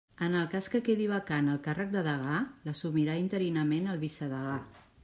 En el cas que quedi vacant el càrrec de degà, l'assumirà interinament el vicedegà.